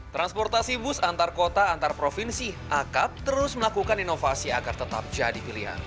transportasi bus antar kota antar provinsi akap terus melakukan inovasi agar tetap jadi pilihan